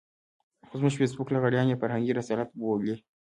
خو زموږ فېسبوکي لغړيان يې فرهنګي رسالت بولي.